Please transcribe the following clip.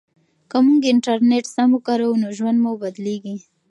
که موږ انټرنیټ سم وکاروو نو ژوند مو بدلیږي.